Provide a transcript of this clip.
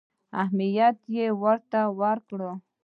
اهمیت یې ورته ورکړ.